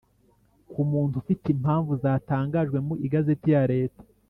ku muntu ufite impamvu zatangajwe mu igazeti ya leta.